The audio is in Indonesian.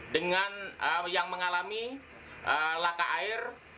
dengan yang mengalami laka air